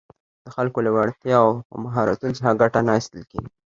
د خلکو له وړتیاوو او مهارتونو څخه ګټه نه اخیستل کېږي